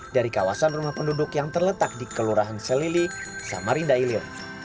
dari kawasan rumah penduduk yang terletak di kelurahan selili samarinda ilir